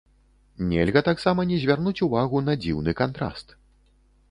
Нельга таксама не звярнуць увагу на дзіўны кантраст.